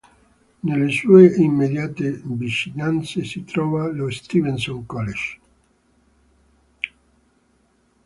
Nelle sue immediate vicinanze si trova lo Stevenson College.